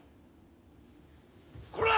・こら！